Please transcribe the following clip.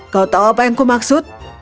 kau tahu apa yang kumaksud